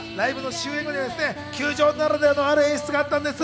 ライブの終演後には球場ならではのある演出があったんです。